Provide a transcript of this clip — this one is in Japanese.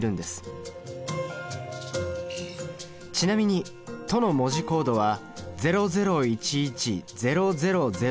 ちなみに「と」の文字コードは００１１０００００１１０１０００。